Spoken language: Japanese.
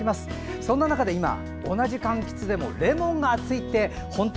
そんな中で今、同じかんきつでもレモンが熱いって本当？